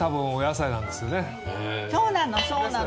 そうなのそうなの。